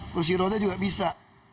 kursi roda juga bisa